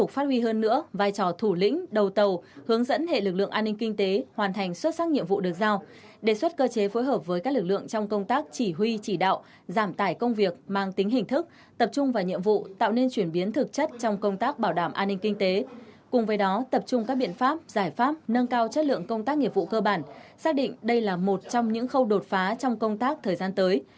phát huy hơn nữa vai trò thủ lĩnh đầu tàu hướng dẫn hệ lực lượng an ninh kinh tế hoàn thành xuất sắc nhiệm vụ được giao đề xuất cơ chế phối hợp với các lực lượng trong công tác chỉ huy chỉ đạo giảm tải công việc mang tính hình thức tập trung vào nhiệm vụ tạo nên chuyển biến thực chất trong công tác bảo đảm an ninh kinh tế cùng với đó tập trung các biện pháp giải pháp nâng cao chất lượng công tác nghiệp vụ cơ bản xác định đây là một trong những khâu đột phá trong công tác thời gian tới